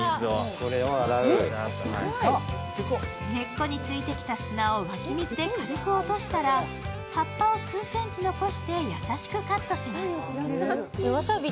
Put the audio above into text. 根っこについてきた砂を湧き水で軽く落としたら、葉っぱを数センチ残して優しくカットします。